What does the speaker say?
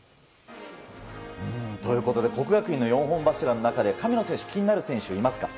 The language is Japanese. ということで國學院の４本柱の中で神野選手気になる選手はいますか？